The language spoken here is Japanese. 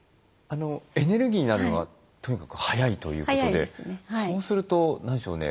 エネルギーになるのはとにかく早いということでそうすると何でしょうね